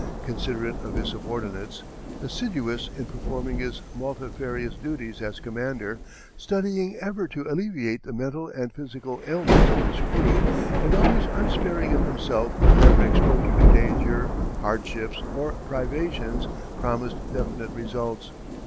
Considerate of his subordinates, assiduous in performing his multifarious duties as commander, studying ever to alleviate the mental and physical ailments of his crew, and always unsparing of himself whenever exposure to danger, hardships, or privations promised definite results.